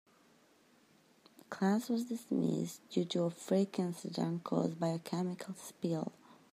Class was dismissed due to a freak incident caused by a chemical spill.